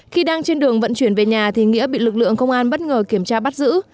khi đang trên đường vận chuyển về nhà thì nghĩa bị lực lượng công an bất ngờ kiểm tra bắt giữ